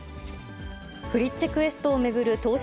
フリッチ・クエストを巡る投資